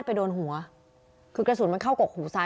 แต่น้องเขามีมีดเขาจะ